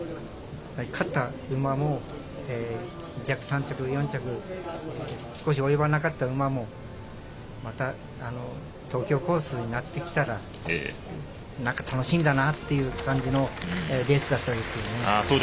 勝った馬も、２着、３着少し及ばなかった馬もまた東京コースになってきたら楽しみだなっていう感じのレースだったですよね。